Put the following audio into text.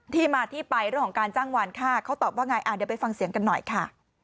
ที่มาที่ไปเรื่องของการจ้างวานค่าเขาตอบว่าไงเดี๋ยวไปฟังเสียงกันหน่อยค่ะ